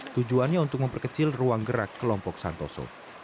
tujuannya untuk memperkecil ruang gerak kelompok santoso